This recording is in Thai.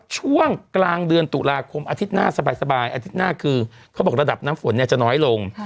ช่วงกลางเดือนตุลาคมอาทิตย์หน้าสบายอาทิตย์หน้าคือเขาบอกระดับน้ำฝนจะน้อยลง